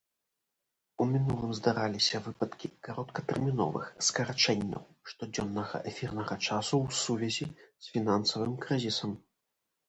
У мінулым здараліся выпадкі кароткатэрміновых скарачэнняў штодзённага эфірнага часу ў сувязі з фінансавым крызісам.